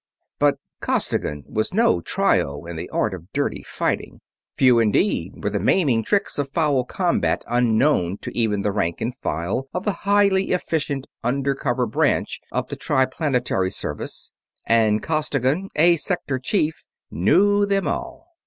But Costigan was no tyro in the art of dirty fighting. Few indeed were the maiming tricks of foul combat unknown to even the rank and file of the highly efficient under cover branch of the Triplanetary Service; and Costigan, a Sector Chief, knew them all.